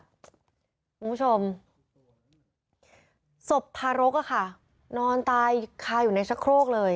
คุณผู้ชมศพทารกอะค่ะนอนตายคาอยู่ในชะโครกเลย